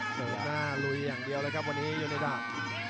เปิดหน้าลุยอย่างเดียวเลยครับวันนี้โยเนดา